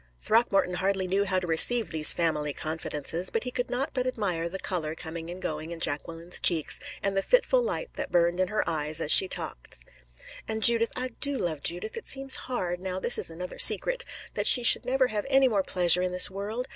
Throckmorton hardly knew how to receive these family confidences, but he could not but admire the color coming and going in Jacqueline's cheeks, and the fitful light that burned in her eyes as she talked. "And Judith I do love Judith. It seems hard now this is another secret that she should never have any more pleasure in this world.